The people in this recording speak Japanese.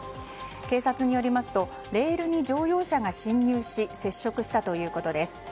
警察によりますとレールに乗用車が進入し接触したということです。